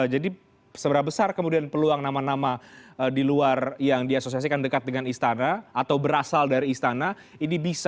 jadi seberapa besar kemudian peluang nama nama di luar yang diasosiasikan dekat dengan istana atau berasal dari istana ini bisa menandingi capres capres ini